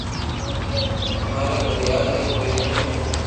ويوي گيو ياد ھي ڪوئي ڪريو